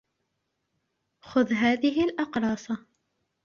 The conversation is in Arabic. خذ هذه الأقراص.